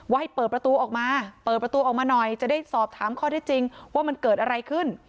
ให้เปิดประตูออกมาเปิดประตูออกมาหน่อยจะได้สอบถามข้อได้จริงว่ามันเกิดอะไรขึ้น